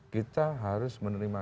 kita harus menerima